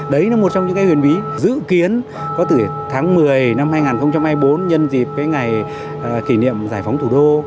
đấy là một trong những cái huyền bí dự kiến có từ tháng một mươi năm hai nghìn hai mươi bốn nhân dịp cái ngày kỷ niệm giải phóng thủ đô